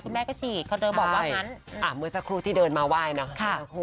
คือฉีดทุกคนแล้วเราก็สามารถที่จะออกมาทำงานด้วยบ้างได้ค่ะ